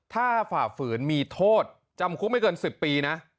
ถ้าฝ่าฝืนมีโทษจำคุกไม่เกิน๑๐ปีนะ